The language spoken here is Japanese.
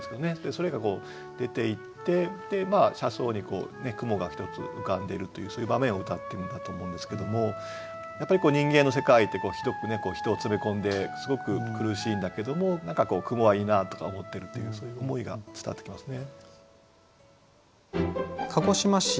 それが出ていって車窓に雲がひとつ浮かんでるというそういう場面をうたってるんだと思うんですけどもやっぱり人間の世界ってひどくね人を詰め込んですごく苦しいんだけども何かこう雲はいいなとか思ってるっていうそういう思いが伝わってきますね。